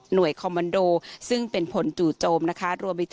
หน่วยคอมบันโดซึ่งเป็นผลจู่โจมนะคะ